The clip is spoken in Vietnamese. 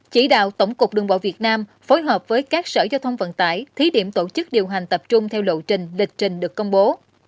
chỉ đạo tổng cục đường bộ việt nam phối hợp với các sở giao thông vận tải thí điểm tổ chức điều hành tập trung theo lộ trình lịch trình được công bố